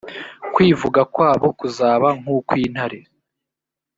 kwivuga kwabo kuzaba nk’ukw’intare